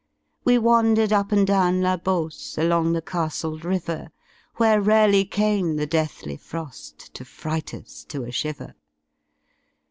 We wandered up and down La Beauce Along the caviled river , Where rareh came the deathly froil To fright us to a shiver.